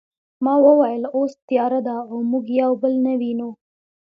ما وویل اوس تیاره ده او موږ یو بل نه وینو